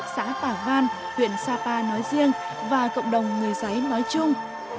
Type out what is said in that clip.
xã tả văn huyện sapa nói riêng và cộng đồng người giấy nói chung